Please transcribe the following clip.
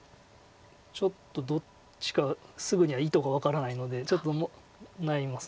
ちょっとどっちかすぐには意図が分からないのでちょっと悩みます。